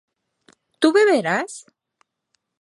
¿tú beberás?